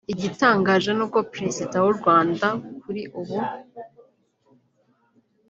Igitangaje ni uko Perezida w’u Rwanda kuri ubu